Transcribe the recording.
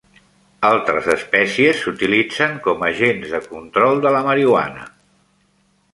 Altres espècies s'utilitzen com agents de control de la marihuana.